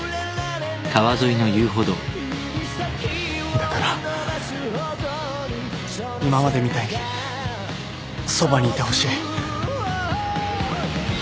だから今までみたいにそばにいてほしい。